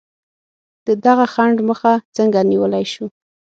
د دغه خنډ مخه څنګه نیولای شو؟